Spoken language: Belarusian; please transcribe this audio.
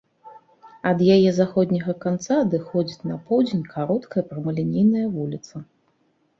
Ад яе заходняга канца адыходзіць на поўдзень кароткая прамалінейная вуліца.